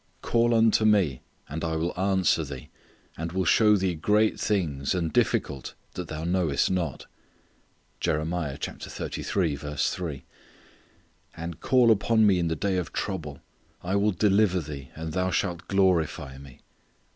"Call unto Me, and I will answer thee, and will shew thee great things, and difficult, that thou knowest not." "And call upon Me in the day of trouble; I will deliver thee and thou shalt glorify Me."